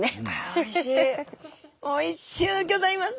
あおいしい！